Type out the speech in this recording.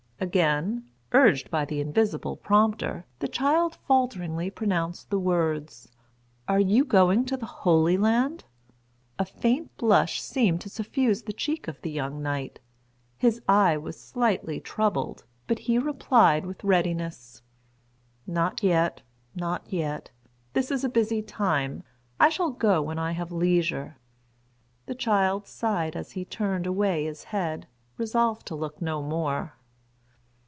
Again, urged by the invisible prompter, the child falteringly pronounced the words, "Are you going to the Holy Land?" A faint blush seemed to suffuse the cheek of the young knight; his eye was slightly troubled; but he replied with readiness, "Not yet—not yet: this is a busy time; I shall go when I have leisure." The child sighed as he turned away his head, resolved to look no more.